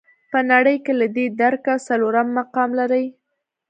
په نړۍ کې له دې درکه څلورم مقام لري.